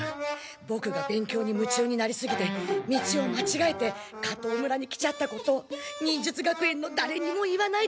ボクが勉強に夢中になりすぎて道をまちがえて加藤村に来ちゃったこと忍術学園のだれにも言わないでくれ。